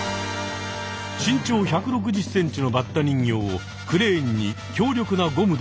身長１６０ｃｍのバッタ人形をクレーンに強力なゴムでつなぐ。